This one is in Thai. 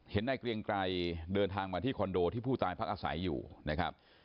นายเกรียงไกรเดินทางมาที่คอนโดที่ผู้ตายพักอาศัยอยู่นะครับ